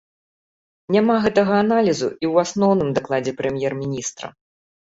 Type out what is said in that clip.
Няма гэтага аналізу і ў асноўным дакладзе прэм'ер-міністра.